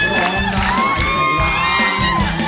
ร้องได้ให้ล้าน